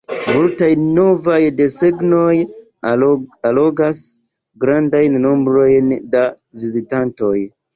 Multaj novaj desegnoj allogas grandajn nombrojn da vizitantoj.